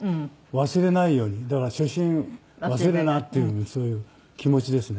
だから初心忘れるなっていうそういう気持ちですね。